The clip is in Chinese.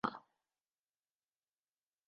他没有办法说话